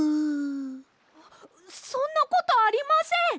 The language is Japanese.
そんなことありません！